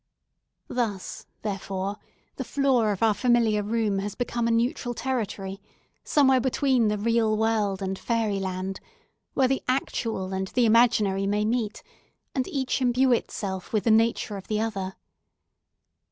Thus, therefore, the floor of our familiar room has become a neutral territory, somewhere between the real world and fairy land, where the Actual and the Imaginary may meet, and each imbue itself with the nature of the other.